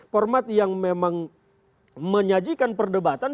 format yang memang menyajikan perdebatan